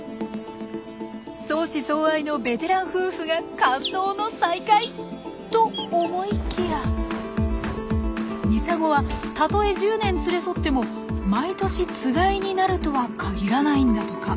相思相愛のベテラン夫婦が感動の再会！と思いきやミサゴはたとえ１０年連れ添っても毎年つがいになるとは限らないんだとか。